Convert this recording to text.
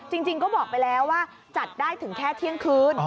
จริงก็บอกไปแล้วว่าจัดได้ถึงแค่เที่ยงคืน